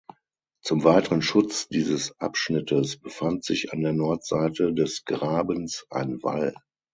Zum weiteren Schutz dieses Abschnittes befand sich an der Nordseite des Grabens ein Wall.